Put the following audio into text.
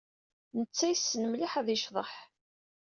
Netta yessen mliḥ ad yecḍeḥ.